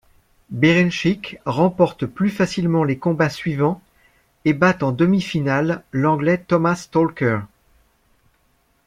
Berinchyk remporte plus facilement les combats suivants et bat en demi-finale l'anglais Thomas Stalker.